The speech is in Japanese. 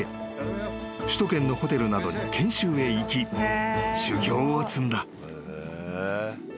首都圏のホテルなどに研修へ行き修業を積んだ］